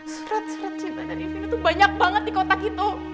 surat surat cinta dari film itu banyak banget di kotak itu